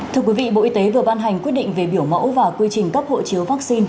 thưa quý vị bộ y tế vừa ban hành quyết định về biểu mẫu và quy trình cấp hộ chiếu vaccine